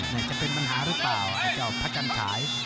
จะเป็นปัญหาหรือเปล่าไอ้เจ้าพระจันฉาย